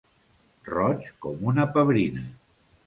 Roig com una pebrina.